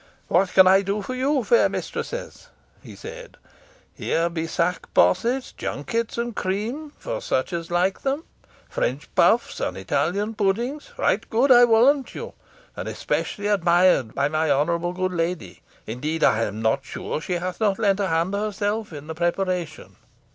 "What can I do for you, fair mistresses?" he said. "Here be sack possets, junkets and cream, for such as like them French puffs and Italian puddings, right good, I warrant you, and especially admired by my honourable good lady. Indeed, I am not sure she hath not lent a hand herself in their preparation.